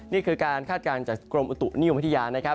นี่คือการคาดการณ์จากกรมอุตุนิวพฤธิญาณ